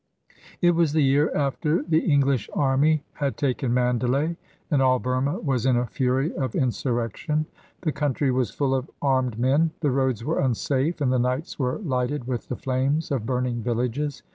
It was the year after the English army had taken Mandalay, and all Burma was in a fury of insurrection. The country was full of armed men, the roads were unsafe, and the nights were lighted with the flames of burning villages.